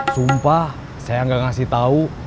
sumpah saya gak ngasih tau